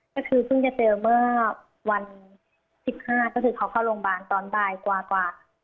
ก็คือเพิ่งจะเจอเมื่อวัน๑๕ก็คือเขาเข้าโรงพยาบาลตอนบ่ายกว่า